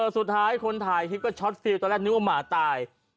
สุดท้ายคนถ่ายคลิปก็ช็อตฟิลตอนแรกนึกว่าหมาตาย